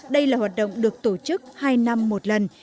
đây là hoạt động được tổ chức hai năm một lần